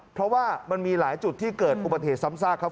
เพราะว่ามันมีหลายจุดที่เกิดอุบัติเหตุซ้ำซากครับ